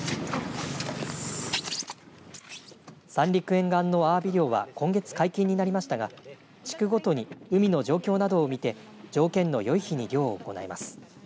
三陸沿岸のアワビ漁は今月解禁になりましたが地区ごとに海の状況などを見て条件のよい日に漁を行います。